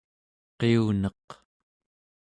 qiuneq